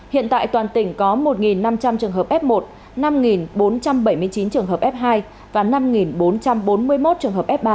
hiện tại toàn tỉnh có một năm trăm linh trường hợp f một năm bốn trăm bảy mươi chín trường hợp f hai và năm bốn trăm bốn mươi một trường hợp f ba